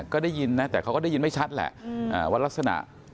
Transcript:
ก็ได้ยินนะแต่เขาก็ได้ยินไม่ชัดแหละว่ารักษณะ